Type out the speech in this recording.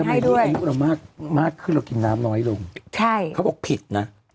ให้ด้วยอายุเรามากมากขึ้นเรากินน้ำน้อยลงใช่เขาบอกผิดนะ